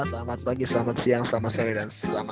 selamat pagi selamat siang selamat sore dan selamat